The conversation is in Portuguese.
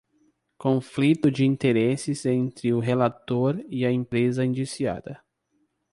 Conflito de interesses entre o relator e a empresa indiciada